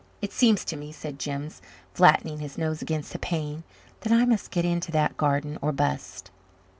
"It seems to me," said Jims, flattening his nose against the pane, "that I must get into that garden or bust."